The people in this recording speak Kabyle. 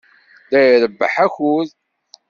La d-irebbeḥ akud.